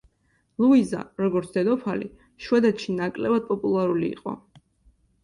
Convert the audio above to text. ლუიზა, როგორც დედოფალი, შვედეთში ნაკლებად პოპულარული იყო.